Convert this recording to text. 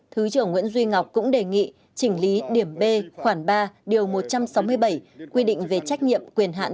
thứ trưởng nguyễn duy ngọc cũng đề nghị chỉnh lý điểm b khoảng ba điều một trăm sáu mươi bảy quy định về trách nhiệm quyền hạn